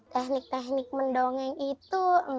teknik teknik mendongeng itu